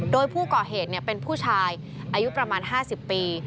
โดยผู้ก่อเหตุเป็นผู้ชายอายุประมาณ๕๐ปี